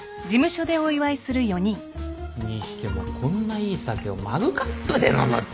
にしてもこんないい酒をマグカップで飲むって。